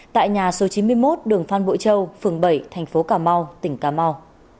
tại nhà số chín mươi một đường phan bội châu phường bảy thành phố cà mau tỉnh cà mau